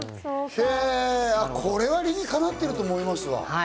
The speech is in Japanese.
これは理にかなってると思いますわ。